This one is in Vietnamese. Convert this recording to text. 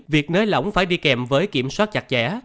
việc nới lỏng phải đi kèm với kiểm soát chặt chẽ